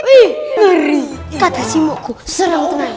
wih ngeri kata si mokku seram tenang